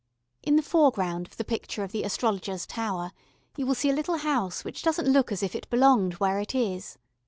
In the foreground of the picture of the Astrologer's tower you will see a little house which doesn't look as if it belonged where it is.